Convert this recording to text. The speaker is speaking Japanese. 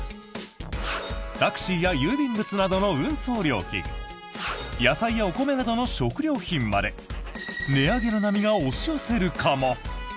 タクシーや郵便物などの運送料金野菜やお米などの食料品まで値上げの波が押し寄せるかも？